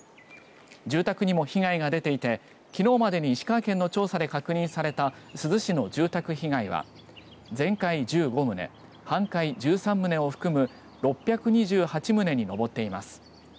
住宅にも被害が出ていてきのうまでに石川県の調査で確認された珠洲市の住宅被害は全壊１５棟半壊１３棟を含む６２８棟に上っています。